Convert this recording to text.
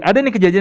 ada nih kejadian